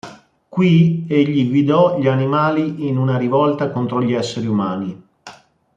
Qui egli guidò gli animali in una rivolta contro gli esseri umani.